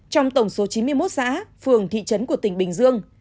trong tổng số chín mươi một xã phường thị trấn của tỉnh bình dương